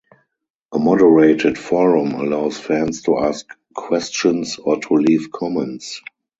A moderated forum allows fans to ask questions or to leave comments.